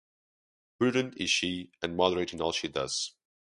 Prudent is she, and moderate in all she does.